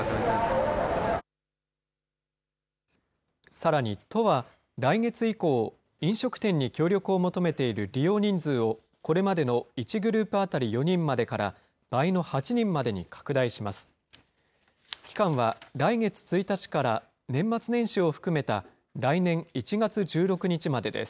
さらに、都は来月以降、飲食店に協力を求めている利用人数を、これまでの１グループ当たり４人までから倍の８人までに拡大します。